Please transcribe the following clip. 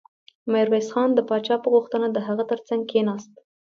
ميرويس خان د پاچا په غوښتنه د هغه تر څنګ کېناست.